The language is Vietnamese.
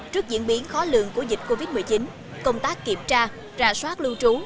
trước diễn biến khó lường của dịch covid một mươi chín công tác kiểm tra rà soát lưu trú